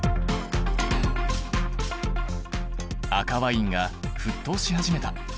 赤ワインが沸騰し始めた。